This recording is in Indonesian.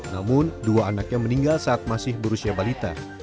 namun dua anaknya meninggal saat masih berusia balita